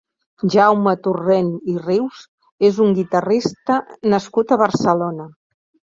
Jaume Torrent i Rius és un guitarrista nascut a Barcelona.